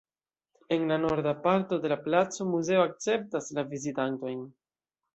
En la norda parto de la placo muzeo akceptas la vizitantojn.